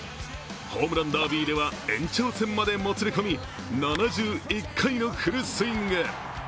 ホームランダービーでは延長戦までもつれ込み７１回のフルスイング。